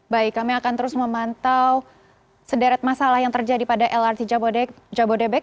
baik kami akan terus memantau sederet masalah yang terjadi pada lrt jabodebek